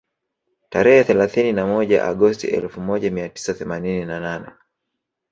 Tarehe thelathini na moja Agosti elfu moja mia tisa themanini na nane